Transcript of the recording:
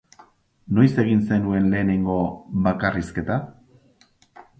Noiz egin zenuen lehenengo bakarrizketa?